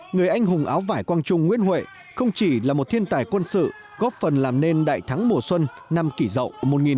người anh hùng áo vải quang trung nguyễn huệ không chỉ là một thiên tài quân sự góp phần làm nên đại thắng mùa xuân năm kỷ rậu một nghìn bảy trăm tám mươi chín